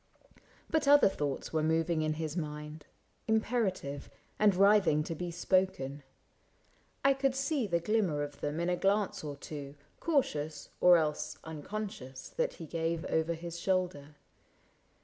But other thoughts Were moving in his mind, imperative, And writhing to be spoken : I could see The glimmer of them in a glance or two, Cautious, or else unconscious, that he gave Over his shoulder